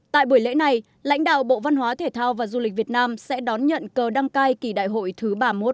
tại buổi lễ này lãnh đạo bộ văn hóa thể thao và du lịch việt nam sẽ đón nhận cờ đăng cai kỳ đại hội thứ ba mươi một